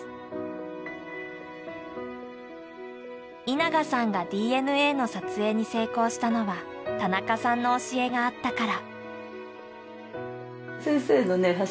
稲賀さんがＤＮＡの撮影に成功したのは田中さんの教えがあったから。